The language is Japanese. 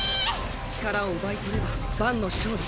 力を奪い取ればバンの勝利。